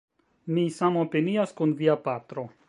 Mi samopinias kun via patro